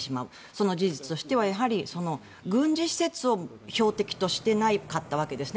その事実としては軍事施設を標的としていなかったわけです。